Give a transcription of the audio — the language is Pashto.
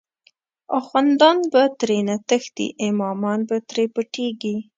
اخوندان به ترینه تښتی، امامان به تری پټیږی